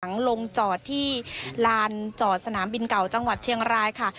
ลงจอดที่ลานจอดสนามบินเก่าจังหวัดเชียงรายค่ะ